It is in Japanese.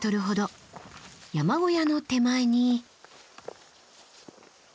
山小屋の手前に。